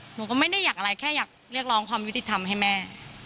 หนูก็ไม่ได้อยากอะไรแค่อยากเรียกร้องความยุติธรรมให้แม่